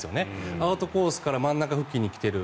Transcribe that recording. アウトコースから真ん中付近に来ている。